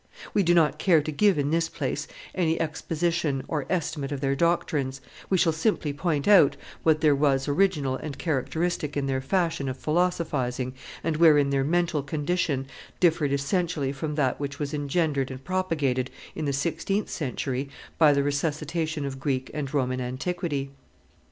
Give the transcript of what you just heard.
We do not care to give in this place any exposition or estimate of their doctrines; we shall simply point out what there was original and characteristic in their fashion of philosophizing, and wherein their mental condition differed essentially from that which was engendered and propagated, in the sixteenth century, by the resuscitation of Greek and Roman antiquity.